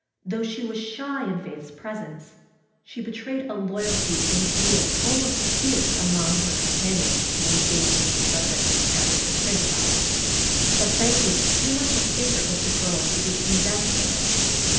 Though she was shy in Faith's presence, she betrayed a loyalty and zeal almost fierce among her companions when Faith was the subject discussed and criticized. But Betty was too much a favorite with the girls to be condemned for this.